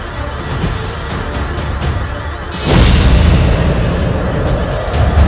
tidak akan terjadi apa apa